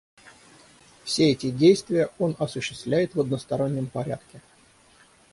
Все эти действия он осуществляет в одностороннем порядке.